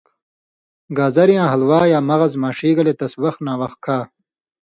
گازریاں حلوا یا مغز ماݜی گلے تس وخ نا وخ کھا